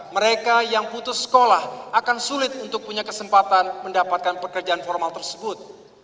mereka yang putus sekolah akan sulit untuk punya kesempatan mendapatkan pekerjaan formal tersebut